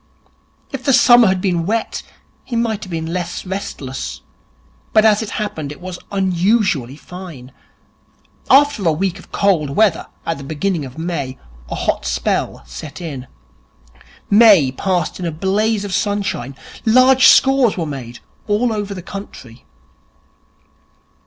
If the summer had been wet, he might have been less restless. But, as it happened, it was unusually fine. After a week of cold weather at the beginning of May, a hot spell set in. May passed in a blaze of sunshine. Large scores were made all over the country.